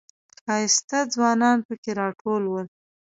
ښایسته ځوانان پکې راټول و.